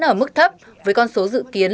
ở mức thấp với con số dự kiến